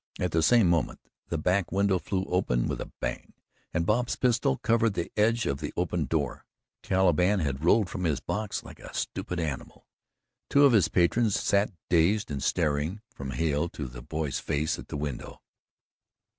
At the same moment, the back window flew open with a bang and Bob's pistol covered the edge of the opened door. "Caliban" had rolled from his box like a stupid animal. Two of his patrons sat dazed and staring from Hale to the boy's face at the window.